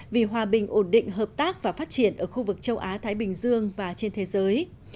vì hòa bình ổn định hợp tác và phát triển ở khu vực châu á thái bình dương và trên thế giới